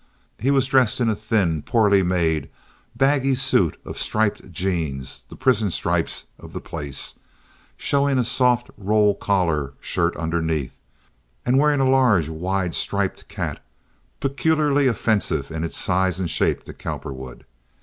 He was dressed in a thin, poorly made, baggy suit of striped jeans, the prison stripes of the place, showing a soft roll collar shirt underneath, and wearing a large, wide striped cap, peculiarly offensive in its size and shape to Cowperwood.